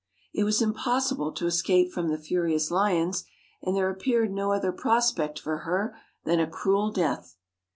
It was impossible to escape from the furious lions, and there appeared no other prospect for her than a cruel death.